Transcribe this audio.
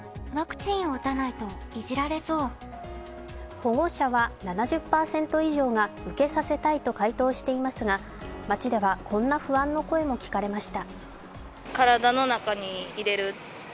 保護者は７０％以上は受けさせたいと回答していますが街ではこんな不安の声も聞かれました。